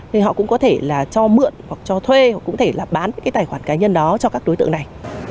thì họ cũng có thể là cho mượn hoặc cho thuê họ cũng có thể là bán cái tài khoản cá nhân đó cho các đối tượng này